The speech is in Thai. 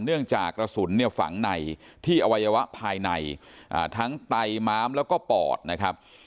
เนื่องจากกระสุนเนี่ยฝังในที่อวัยวะภายในทั้งไตม้ามแล้วก็ปอดนะครับ